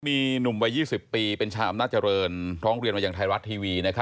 มีหนุ่มวัย๒๐ปีเป็นชาวอำนาจริงร้องเรียนมาอย่างไทยรัฐทีวี